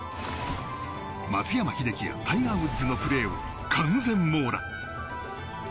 松山英樹やタイガー・ウッズのプレーを完全網羅。